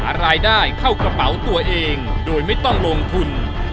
รายได้เข้ากระเป๋าตัวเองโดยไม่ต้องลงทุน